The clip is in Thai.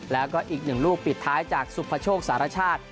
แล้วก็อีกหนึ่งลูกปิดท้ายจากสุภโชคสารชาติ